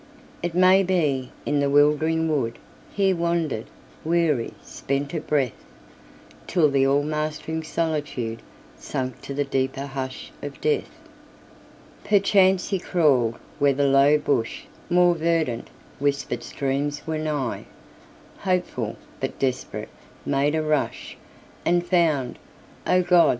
It may be, in the wildering woodHe wandered, weary, spent of breath, Till the all mastering solitudeSank to the deeper hush of death. Perchance he crawled where the low bush, More verdant, whispered streams were nigh, Hopeful, but desperate, made a rush, And found, O God!